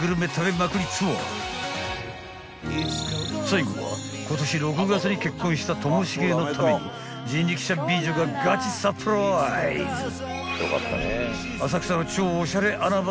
［最後は今年６月に結婚したともしげのために人力車美女がガチサプライズ］